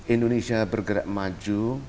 indonesia bergerak maju